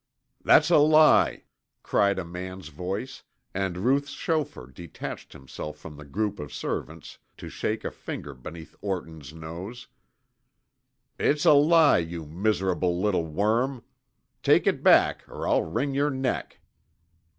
"That's a lie!" cried a man's voice, and Ruth's chauffeur detached himself from the group of servants to shake a finger beneath Orton's nose. "It's a lie, you miserable little worm! Take it back or I'll wring your neck!"